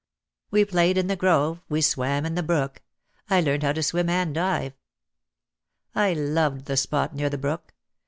We played in the grove, we swam in the brook — I learned how to swim and dive. I loved the spot near the brook.